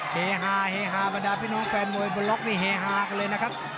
เฮฮาเฮฮาบรรดาพี่น้องแฟนมวยบนล็อกนี่เฮฮากันเลยนะครับ